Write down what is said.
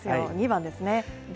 ２番ですね。